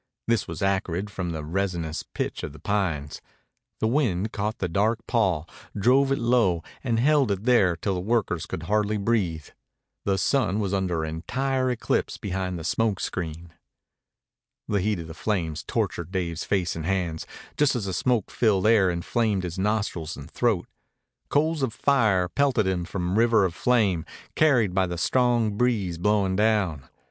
This was acrid from the resinous pitch of the pines. The wind caught the dark pall, drove it low, and held it there till the workers could hardly breathe. The sun was under entire eclipse behind the smoke screen. The heat of the flames tortured Dave's face and hands, just as the smoke filled air inflamed his nostrils and throat. Coals of fire pelted him from the river of flame, carried by the strong breeze blowing down.